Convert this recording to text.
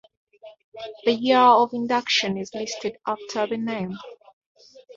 The year of induction is listed after the name.